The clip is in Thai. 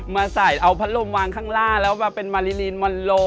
มาใส่เอาพัดลมวางข้างล่างแล้วมาเป็นมาริลีนมอนโล